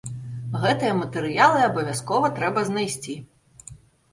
Гэтыя матэрыялы абавязкова трэба знайсці.